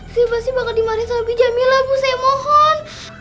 si basi bakal dimarin sama bijamila bu saya mohon